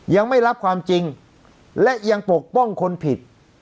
ยังไม่รับความจริงและยังปกป้องคนผิด